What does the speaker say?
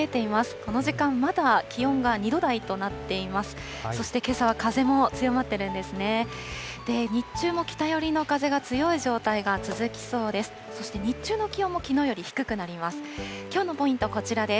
この時間、まだ気温が２度台となっています。